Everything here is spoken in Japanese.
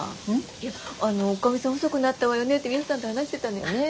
いやおかみさん細くなったわよねってミホさんと話してたのよねぇ？